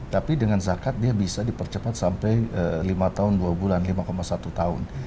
tapi dengan zakat dia bisa dipercepat sampai lima tahun dua bulan lima satu tahun